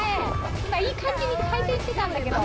今いい感じに回転してたんだけど。